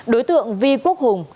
đối tượng vi quốc hùng